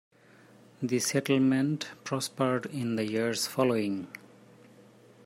The settlement prospered in the years following.